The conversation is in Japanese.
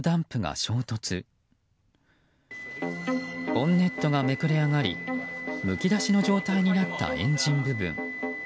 ボンネットがめくれ上がりむき出しの状態になったエンジン部分。